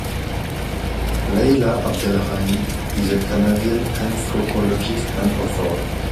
Layla AbdelRahim is a Canadian anthropologist and author.